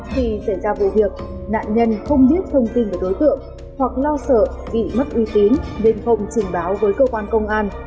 khi xảy ra vụ việc nạn nhân không biết thông tin về đối tượng hoặc lo sợ bị mất uy tín nên không trình báo với cơ quan công an